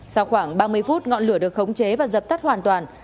sau khoảng ba mươi phút ngọn lửa được khống chế và dập tắt hoàn toàn